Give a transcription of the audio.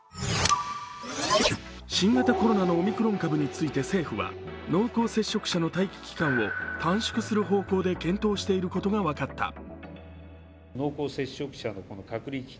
新型コロナのオミクロン株について政府は濃厚接触者の待機期間を短縮する方向で検討していることが分かった。